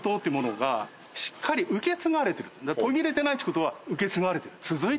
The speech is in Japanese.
途切れてないっちゅうことは受け継がれてる。